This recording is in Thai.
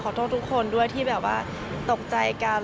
โทษทุกคนด้วยที่แบบว่าตกใจกัน